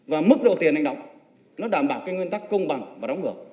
và mức độ tiền anh đóng nó đảm bảo cái nguyên tắc công bằng và đóng ngược